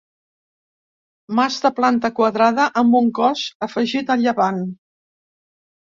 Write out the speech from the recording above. Mas de planta quadrada amb un cos afegit a llevant.